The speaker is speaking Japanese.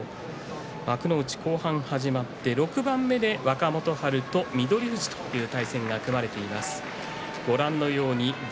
幕内後半始まって６番目で若元春と翠富士という対戦が組まれています。